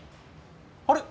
あれ？